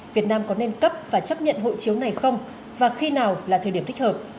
việt nam có nên cấp và chấp nhận hộ chiếu này không và khi nào là thời điểm thích hợp